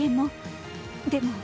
でも。